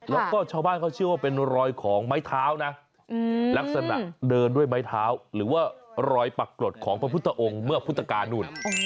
แล้วก็ชาวบ้านเขาเชื่อว่าเป็นรอยของไม้เท้านะลักษณะเดินด้วยไม้เท้าหรือว่ารอยปรากฏของพระพุทธองค์เมื่อพุทธกาลนู่น